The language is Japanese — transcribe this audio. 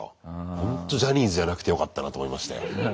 ほんとジャニーズじゃなくてよかったなと思いましたよ。